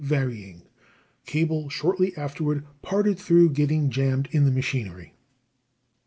varying. Cable shortly afterward parted through getting jammed in the machinery.